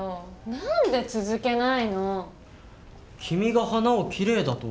何で続けないの。